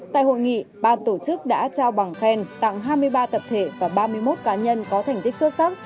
tại hội nghị ban tổ chức đã trao bằng khen tặng hai mươi ba tập thể và ba mươi một cá nhân có thành tích xuất sắc